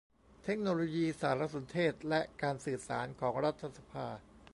เทคโนโลยีสารสนเทศและการสื่อสารของรัฐสภา